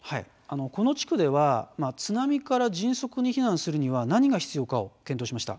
この地区では津波から迅速に避難するには何が必要かを検討しました。